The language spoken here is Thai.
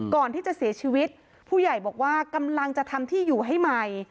ก่อนที่จะเสียชีวิตผู้ใหญ่บอกว่ากำลังจะทำที่อยู่ให้ใหม่